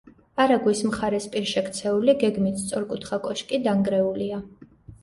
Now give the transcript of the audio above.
არაგვის მხარეს პირშექცეული, გეგმით სწორკუთხა კოშკი დანგრეულია.